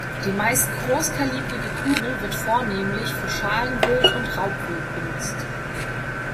Die meist großkalibrige Kugel wird vornehmlich für Schalenwild und Raubwild benutzt.